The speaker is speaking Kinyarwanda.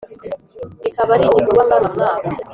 bikaba ari igikorwa ngarukamwaka.